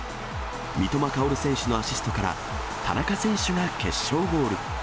三笘薫選手のアシストから、田中選手が決勝ゴール。